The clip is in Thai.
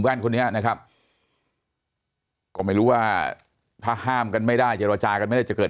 แว่นคนนี้นะครับก็ไม่รู้ว่าถ้าห้ามกันไม่ได้จะจากจะเกิด